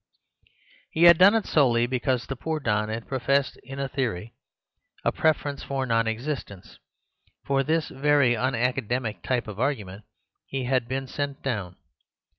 He had done it solely because the poor don had professed in theory a preference for non existence. For this very unacademic type of argument he had been sent down.